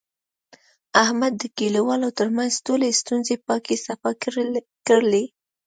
احمد د کلیوالو ترمنځ ټولې ستونزې پاکې صفا کړلې.